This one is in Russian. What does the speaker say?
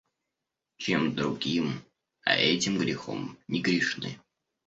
Чем другим, а этим грехом не грешны.